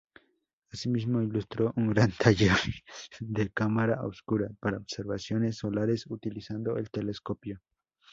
Asimismo, ilustró un gran taller de cámara oscura para observaciones solares utilizando el telescopio.